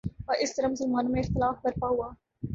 اور اس طرح مسلمانوں میں اختلاف برپا ہوا